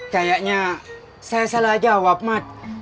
kayaknya saya salah jawab ma